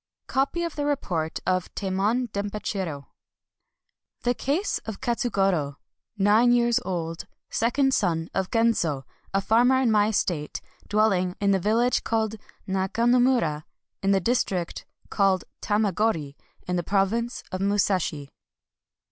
II 1. — Copy of the Report of Tamon Dempa CHIRO. TJie case of Katsugoro^ nine years old,, second son of Genzo^ a farmer on my estate^ dwelling in the Village called Nakano mura in the District called Tamagori in the Province of Musashi.